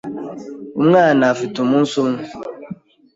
Umwana afite umunsi umwe.